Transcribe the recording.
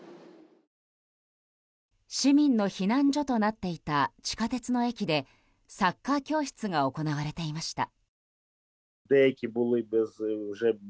市民の避難所となっていた地下鉄の駅でサッカー教室が行われていました。